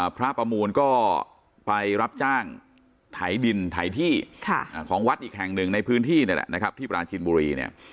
พระประมูลก็ไปรับจ้างไถดินไถที่ของวัดอีกแห่งหนึ่งในพื้นที่นี่แหละนะครับที่ปราจีนบุรีเนี่ย